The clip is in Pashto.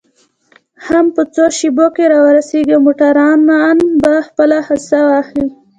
هم په څو شیبو کې را ورسېږي او موټروانان به خپله حصه واخلي.